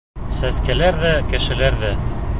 Сәскәләр ҙә, кешеләр ҙә.